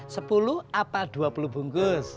sepuluh apa dua puluh bungkus